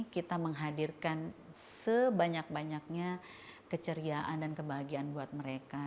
kita menghadirkan sebanyak banyaknya keceriaan dan kebahagiaan buat mereka